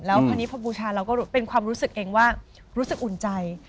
แล้วพอนี้พอบูชาเราก็เป็นความรู้สึกเองว่ารู้สึกอุ่นใจ